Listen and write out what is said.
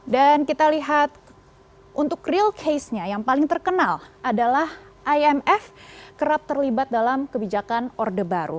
dan kita lihat untuk real case nya yang paling terkenal adalah imf kerap terlibat dalam kebijakan orde baru